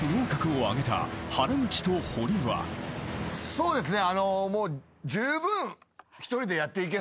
そうですか？